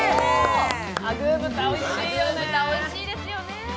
アグー豚、おいしいよね。